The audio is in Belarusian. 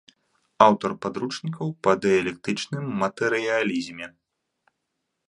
Аўтар падручнікаў па дыялектычным матэрыялізме.